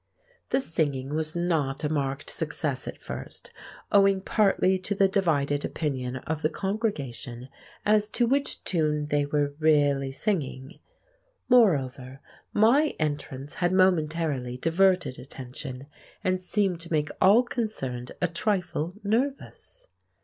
The singing was not a marked success at first, owing partly to the divided opinion of the congregation as to which tune they were really singing; moreover, my entrance had momentarily diverted attention and seemed to make all concerned a trifle nervous.